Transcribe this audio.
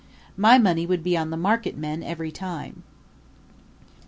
My money would be on the marketmen every time.